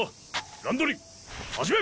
乱取り始め！